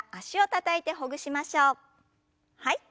はい。